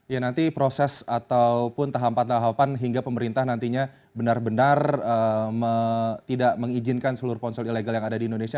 ya nanti proses ataupun tahapan tahapan hingga pemerintah nantinya benar benar tidak mengizinkan seluruh ponsel ilegal yang ada di indonesia